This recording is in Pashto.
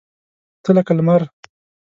تۀ لکه لمر !